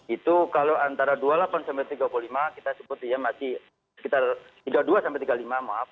itu kalau antara dua puluh delapan sampai tiga puluh lima kita sebut dia masih sekitar tiga puluh dua sampai tiga puluh lima maaf